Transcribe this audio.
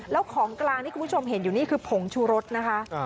แล้วของกลางที่คุณผู้ชมเห็นอยู่นี่คือผงชูรสนะคะ